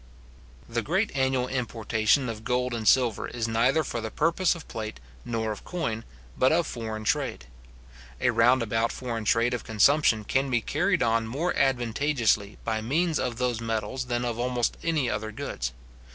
The great annual importation of gold and silver is neither for the purpose of plate nor of coin, but of foreign trade. A round about foreign trade of consumption can be carried on more advantageously by means of these metals than of almost any other goods.